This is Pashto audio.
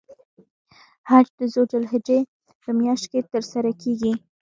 حج د ذوالحجې په میاشت کې تر سره کیږی.